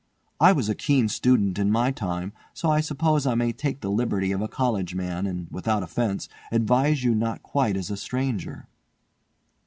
I was a keen student in my time, so I suppose I may take the liberty of a college man, and without offence, advise you not quite as a stranger."